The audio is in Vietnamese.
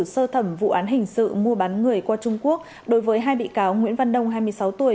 sơ thẩm vụ án hình sự mua bán người qua trung quốc đối với hai bị cáo nguyễn văn đông hai mươi sáu tuổi